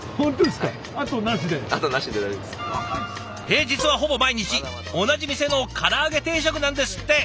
平日はほぼ毎日同じ店のから揚げ定食なんですって。